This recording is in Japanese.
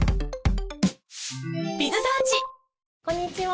こんにちは。